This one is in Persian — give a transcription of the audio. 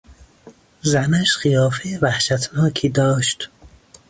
زنش قیافهی وحشتناکی داشت.